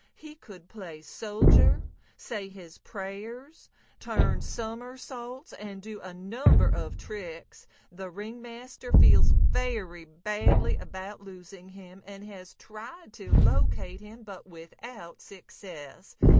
He could play soldier, say his prayers, turn somersaults, and do a number of tricks. The ringmaster feels very badly about losing him, and has tried to locate him, but without success.